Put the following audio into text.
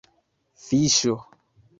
fiŝo